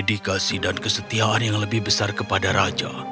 dedikasi dan kesetiaan yang lebih besar kepada raja